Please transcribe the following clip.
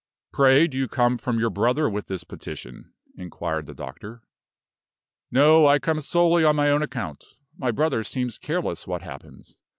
"Pray do you come from your brother with this petition?" inquired the doctor. "No; I come solely on my own account. My brother seems careless what happens.